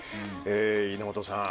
稲本さん